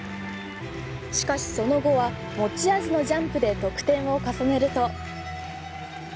しかしその後は持ち味のジャンプで得点を重ねると。